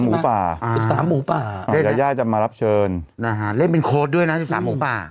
๑๓หมูป่ายาย่าจะมารับเชิญนะฮะเล่นเป็นโค้ดด้วยนะ๑๓หมูป่า